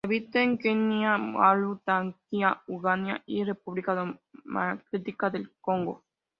Habita en Kenia, Malaui, Tanzania, Uganda y República Democrática del Congo.